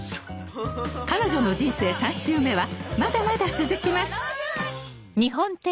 彼女の人生３周目はまだまだ続きます